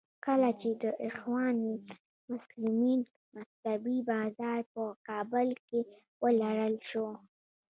کله چې د اخوان المسلمین مکتبې بازار په کابل کې ولړل شو.